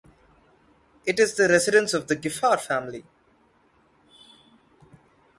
It is the residence of the Giffard family.